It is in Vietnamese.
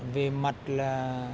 về mặt là